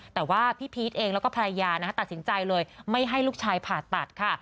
แต่ว่าพี่พีชเองแล้วก็ภรรยาตัดสินใจเลยไม่ให้ลูกชายผ่าตัดค่ะ